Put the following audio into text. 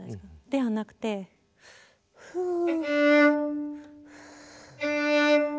ではなくてフゥ。